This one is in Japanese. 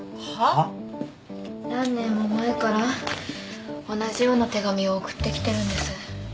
何年も前から同じような手紙を送ってきてるんです。